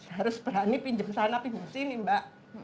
harus berani pinjam sana pinjam sini mbak